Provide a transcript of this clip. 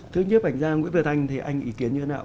trước nhiếp ảnh ra nguyễn việt anh thì anh ý kiến như thế nào